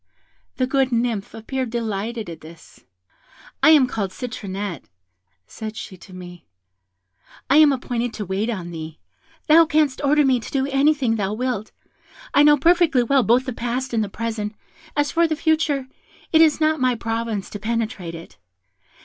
The good Nymph appeared delighted at this. 'I am called Citronette,' said she to me; 'I am appointed to wait on thee; thou canst order me to do anything thou wilt I know perfectly well both the past and the present; as for the future, it is not my province to penetrate it.